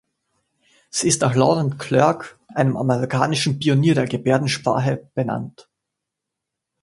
Sie ist nach Laurent Clerc, einem amerikanischen Pionier der Gebärdensprache, benannt.